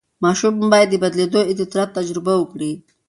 ماشوم باید د بېلېدو اضطراب تجربه وکړي.